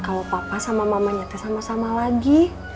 kalau papa sama mamanya sama sama lagi